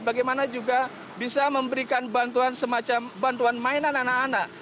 bagaimana juga bisa memberikan bantuan semacam bantuan mainan anak anak